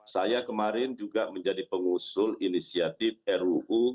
saya kemarin juga menjadi pengusul inisiatif ruu